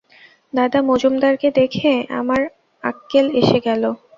দাদা, মজুমদারকে দেখে আমার আক্কেল এসে গেল।